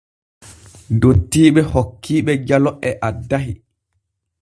Dottiijo hokkiiɓe jalo e addahi.